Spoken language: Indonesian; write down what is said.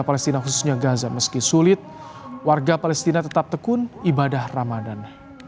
palestina khususnya gaza meski sulit warga palestina tetap tekun ibadah ramadan